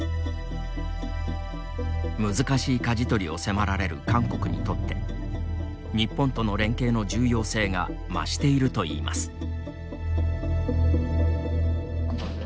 難しいかじ取りを迫られる韓国にとって日本との連携の重要性が増しているといいます。